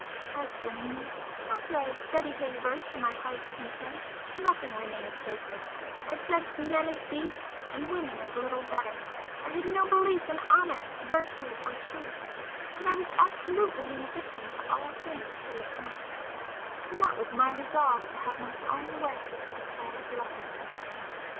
As for me, after I had studied his verse to my heart's content, nothing remained sacred,—I judged men as beasts and women as little better,—I had no belief in honour, virtue or truth,—and I was absolutely indifferent to all things save one, and that was my resolve to have my own way as far as love was concerned.